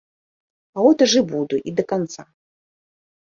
А от жа і буду, і да канца!